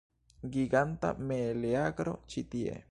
Giganta meleagro ĉi tie!